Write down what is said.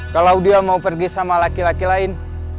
kalau dia mau pergi sama laki laki lain